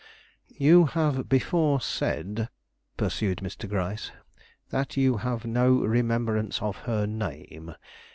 "You have before said," pursued Mr. Gryce, "that you have no remembrance of her name.